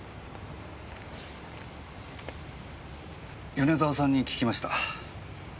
米沢さんに聞きました。